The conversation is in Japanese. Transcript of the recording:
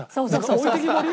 置いてけぼり？